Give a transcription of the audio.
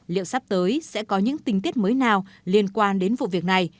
liệu sắp tới sẽ có những tình tiết mới nào liên quan đến vụ việc này